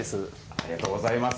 ありがとうございます。